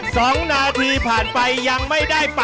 สองนาทีผ่านไปยังไม่ได้ปะ